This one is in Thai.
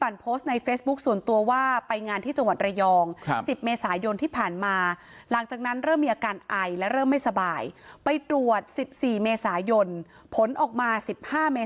แล้วอันนี้ช่างผ่านแล้วนะครับ